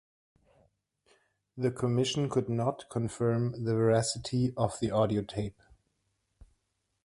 The commission could not confirm the veracity of the audio tape.